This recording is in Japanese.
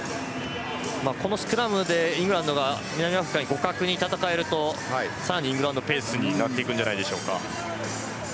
このスクラムでイングランドが南アフリカに互角に戦えるとさらにイングランドペースになっていくんじゃないでしょうか。